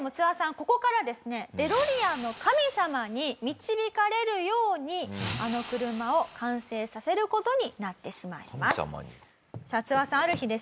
ここからですねデロリアンの神様に導かれるようにあの車を完成させる事になってしまいます。